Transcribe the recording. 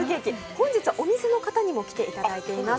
本日はお店の方にも来ていただいています。